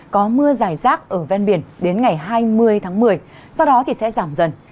có mưa dài rác ở ven biển đến ngày hai mươi tháng một mươi sau đó thì sẽ giảm dần